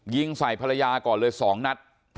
ยิงใส่ภรรยาก่อนเลย๒นัด